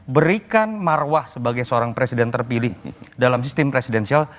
berikan marwah sebagai seorang presiden terpilih dalam sistem presidensial